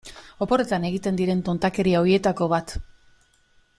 Oporretan egiten diren tontakeria horietako bat.